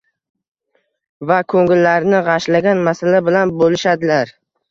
va ko‘ngillarini g‘ashlagan masala bilan bo‘lishadilar.